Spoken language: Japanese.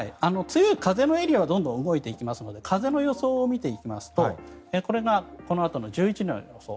強い風のエリアはどんどん動いていきますので風の予想を見ていきますとこれがこのあとの１１時の予想。